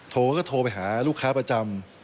เขาก็โทรไปหาลูกค้าประจำ